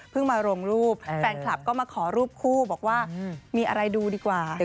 มาลงรูปแฟนคลับก็มาขอรูปคู่บอกว่ามีอะไรดูดีกว่า